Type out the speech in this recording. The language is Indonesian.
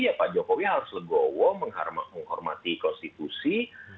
ya pak jokowi harus legowo menghormati konstitusi